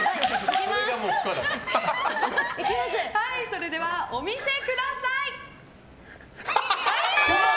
それではお見せください！